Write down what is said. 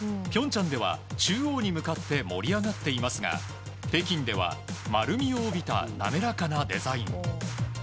平昌では中央に向かって盛り上がっていますが北京では丸みを帯びた滑らかなデザイン。